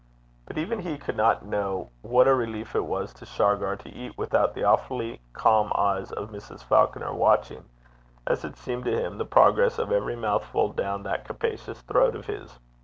But even he could not know what a relief it was to Shargar to eat without the awfully calm eyes of Mrs. Falconer watching, as it seemed to him, the progress of every mouthful down that capacious throat of his.